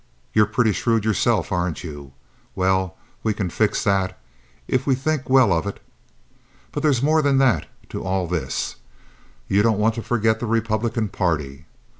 You're pretty shrewd yourself, aren't you? Well, we can fix that, if we think well of it. But there's more than that to all this. You don't want to forget the Republican party.